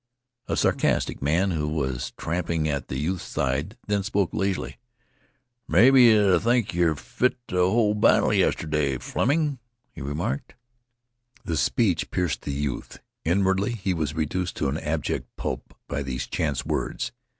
A sarcastic man who was tramping at the youth's side, then spoke lazily. "Mebbe yeh think yeh fit th' hull battle yestirday, Fleming," he remarked. The speech pierced the youth. Inwardly he was reduced to an abject pulp by these chance words.